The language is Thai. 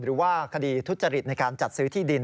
หรือว่าคดีทุจริตในการจัดซื้อที่ดิน